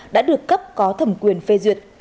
đã được cấp có thẩm quyền phê duyệt